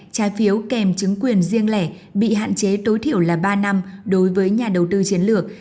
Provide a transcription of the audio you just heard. trái phiếu kèm chứng quyền riêng lẻ bị hạn chế tối thiểu là ba năm đối với nhà đầu tư chiến lược